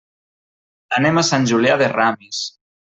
Anem a Sant Julià de Ramis.